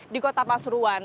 di kota pasuruan